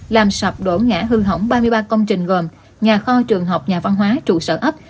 làm sập đổ ngã hư hỏng ba mươi ba công trình gồm nhà kho trường học nhà văn hóa trụ sở ấp